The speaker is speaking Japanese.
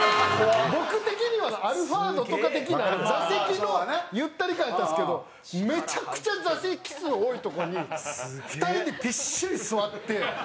僕的にはアルファードとか的な座席のゆったり感やったんですけどめちゃくちゃ座席数多いとこに２人でぴっしり座って。